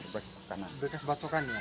bekas bacokan ya